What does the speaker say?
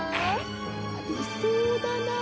ありそうだなあ。